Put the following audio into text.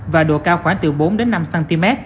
và độ cao khoảng từ bốn năm cm